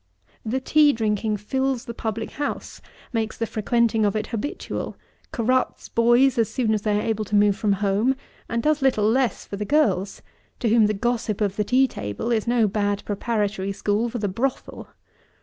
The tea drinking fills the public house, makes the frequenting of it habitual, corrupts boys as soon as they are able to move from home, and does little less for the girls, to whom the gossip of the tea table is no bad preparatory school for the brothel.